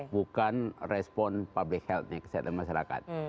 bukan respon public healthnya kesehatan masyarakat